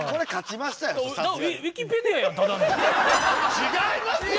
違いますよ！